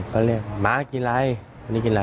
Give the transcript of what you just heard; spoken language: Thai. ก็เรียกมากินไรวันนี้กินไร